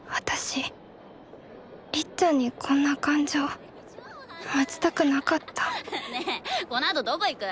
りっちゃんにこんな感情持ちたくなかったねこのあとどこ行く？